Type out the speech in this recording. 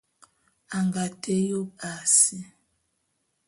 A nga té yôp a si.